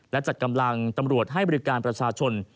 และจัดกำลังตำรวจให้บริการประชาชน